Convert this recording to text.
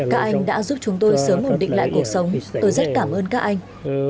các anh đã giúp chúng tôi sớm ổn định lại cuộc sống tôi rất cảm ơn các anh